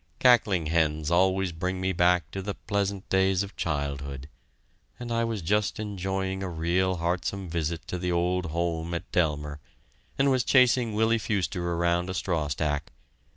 Cackling hens always bring me back to the pleasant days of childhood, and I was just enjoying a real heartsome visit to the old home at Delmer... and was chasing Willie Fewster around a straw stack...